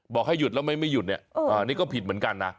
บอกให้หยุดแล้วไม่หยุดเนี่ยนี่ก็ผิดเหมือนกันนะ